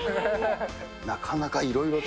なかなかいろいろと。